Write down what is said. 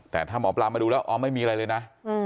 แต่ถ้าหมอปลามาดูแล้วอ๋อไม่มีอะไรเลยนะ